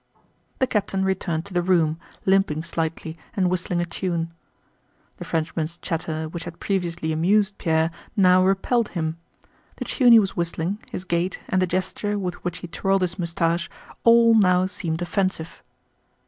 The captain returned to the room, limping slightly and whistling a tune. The Frenchman's chatter which had previously amused Pierre now repelled him. The tune he was whistling, his gait, and the gesture with which he twirled his mustache, all now seemed offensive.